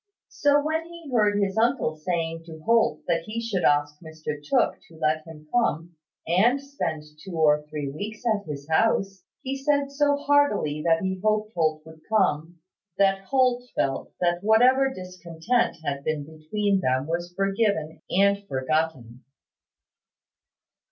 So when he heard his uncle saying to Holt that he should ask Mr Tooke to let him come and spend two or three weeks at his house, he said so heartily that he hoped Holt would come, that Holt felt that whatever discontent had been between them was forgiven and forgotten.